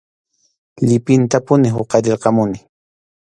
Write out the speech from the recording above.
Llipintapuni huqarirqamuni.